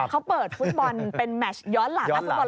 เขาเปิดฟุตบอลเป็นแมชย้อนหลังนักฟุตบอล